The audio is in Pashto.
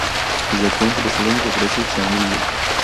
زده کوونکي د څېړنې په پروسه کي شامل دي.